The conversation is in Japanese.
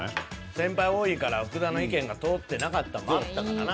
先輩多いから福田の意見が通ってなかったんもあったからな。